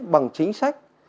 bằng chính sách